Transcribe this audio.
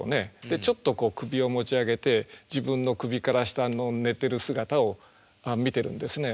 でちょっと首を持ち上げて自分の首から下の寝てる姿を見てるんですね。